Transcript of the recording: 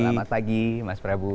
selamat pagi mas prabu